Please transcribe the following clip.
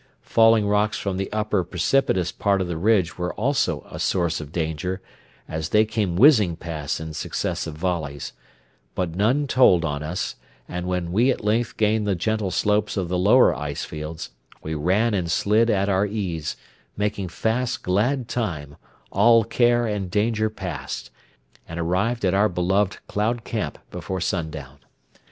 Falling rocks from the upper precipitous part of the ridge were also a source of danger, as they came whizzing past in successive volleys; but none told on us, and when we at length gained the gentle slopes of the lower ice fields, we ran and slid at our ease, making fast, glad time, all care and danger past, and arrived at our beloved Cloud Camp before sundown.